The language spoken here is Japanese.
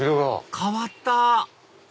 変わった！